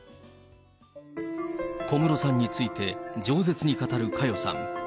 小室さんについてじょう舌に語る佳代さん。